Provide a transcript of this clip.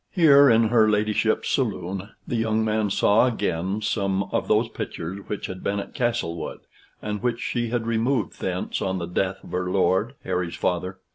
Here in her ladyship's saloon, the young man saw again some of those pictures which had been at Castlewood, and which she had removed thence on the death of her lord, Harry's father.